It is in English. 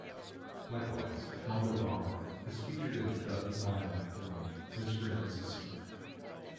Likewise, "Mondo Bongo" is featured in the Doug Liman film "Mr. and Mrs. Smith".